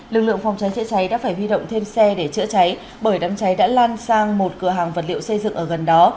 lực lượng phòng cháy chữa cháy đã phải huy động thêm xe để chữa cháy bởi đám cháy đã lan sang một cửa hàng vật liệu xây dựng ở gần đó